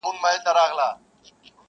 • د سیالانو سره کله به سمېږې,